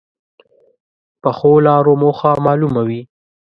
پخو لارو موخه معلومه وي